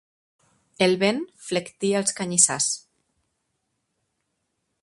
El vent flectia els canyissars.